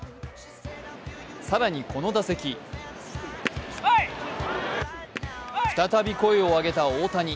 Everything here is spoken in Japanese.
更にこの打席再び声を上げた大谷。